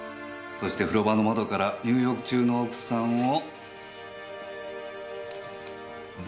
そして風呂場の窓から入浴中の奥さんを。